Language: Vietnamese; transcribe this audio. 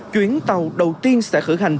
chuyến tàu đầu tiên sẽ khởi hành